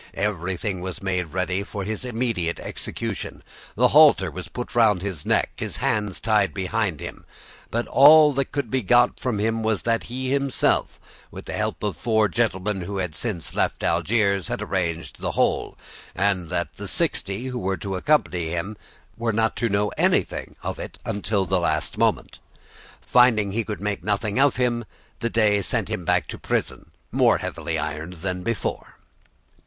Everything was made ready for his immediate execution; the halter was put round his neck and his hands tied behind him, but all that could be got from him was that he himself, with the help of four gentlemen who had since left Algiers, had arranged the whole, and that the sixty who were to accompany him were not to know anything of it until the last moment. Finding he could make nothing of him, the Dey sent him back to prison more heavily ironed than before.